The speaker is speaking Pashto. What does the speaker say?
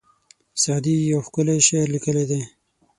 سعدي یو ښکلی شعر لیکلی دی.